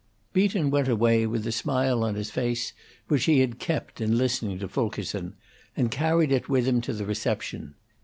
V. Beaton went away with the smile on his face which he had kept in listening to Fulkerson, and carried it with him to the reception.